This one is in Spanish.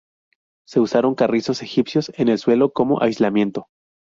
Se usaron carrizos egipcios en el suelo como aislamiento.